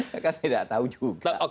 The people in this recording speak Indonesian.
saya tidak tahu juga